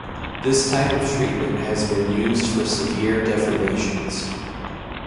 This type of treatment has been used for severe deformations.